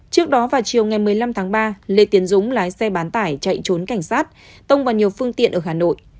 trước đó vào chiều ngày một mươi năm tháng ba lê tiến dũng lái xe bán tải chạy trốn cảnh sát tông vào nhiều phương tiện ở hà nội